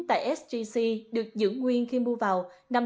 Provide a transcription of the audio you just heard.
tại sgc được dựng nguyên khi mua vào